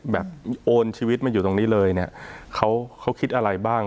โอนชีวิตมาอยู่ตรงนี้เลยเนี่ยเขาเขาคิดอะไรบ้าง